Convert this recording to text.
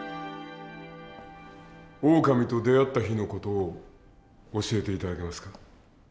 オオカミと出会った日の事を教えて頂けますか？